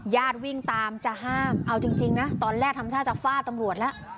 วิ่งตามจะห้ามเอาจริงนะตอนแรกทำท่าจะฟาดตำรวจแล้ว